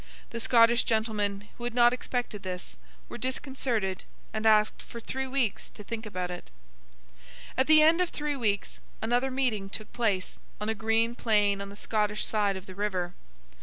The Scottish gentlemen, who had not expected this, were disconcerted, and asked for three weeks to think about it. At the end of the three weeks, another meeting took place, on a green plain on the Scottish side of the river.